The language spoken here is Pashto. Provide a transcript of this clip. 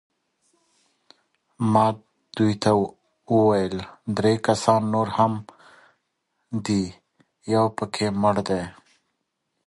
ما دوی ته وویل: درې کسان نور هم دي، یو پکښې مړ دی.